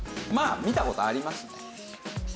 まあ見た事ありますね。